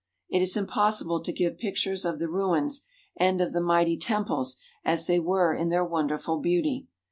It is impossible to give pictures of the ruins and of the mighty temples as they were in their wonderful beauty.